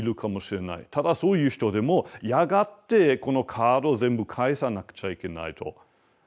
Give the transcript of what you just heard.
ただそういう人でもやがてこのカード全部返さなくちゃいけないと。